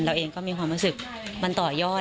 เราเองก็มีความรู้สึกมันต่อยอด